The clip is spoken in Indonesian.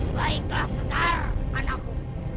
baiklah sekarang anakku